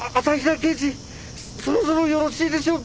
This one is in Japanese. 検事そろそろよろしいでしょうか？